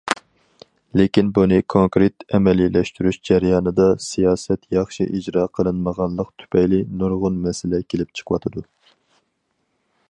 لېكىن بۇنى كونكرېت ئەمەلىيلەشتۈرۈش جەريانىدا، سىياسەت ياخشى ئىجرا قىلىنمىغانلىق تۈپەيلى نۇرغۇن مەسىلە كېلىپ چىقىۋاتىدۇ.